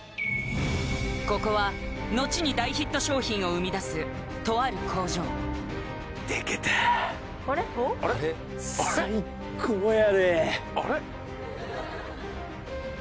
ここはのちに大ヒット商品を生み出すとある工場が完成そや！